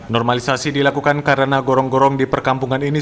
normalisasi dilakukan karena gorong gorong di perkampungan ini